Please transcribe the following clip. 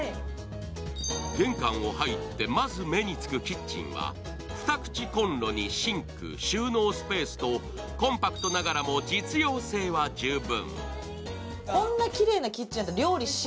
玄関を入って、まず目につくキッチンは２口こんろにシンク、収入スペースとコンパクトながらも実用性は十分。